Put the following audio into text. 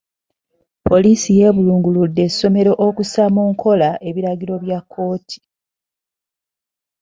Poliisi yeebulunguludde essomero okussa mu nkola ebiragiro bya kkooti.